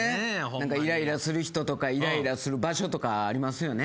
イライラする人とかイライラする場所とかありますよね。